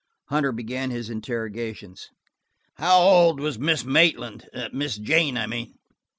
Hunter began his interrogations. "How old was Miss Maitland–Miss Jane, I mean